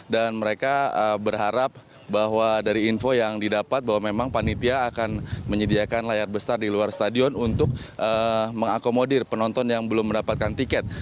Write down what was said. dan mereka berharap bahwa dari info yang didapat bahwa memang panitia akan menyediakan layar besar di luar stadion untuk mengakomodir penonton yang belum mendapatkan tiket